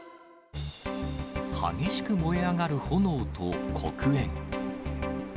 激しく燃え上がる炎と黒煙。